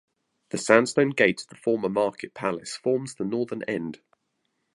The sandstone gate of the former market palace forms the northern end.